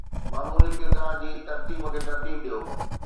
معمولي ڪردار جي ترتيب کي ترتيب ڏيو